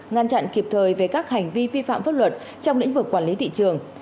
ngăn chặn kịp thời về các hành vi vi phạm pháp luật trong lĩnh vực quản lý thị trường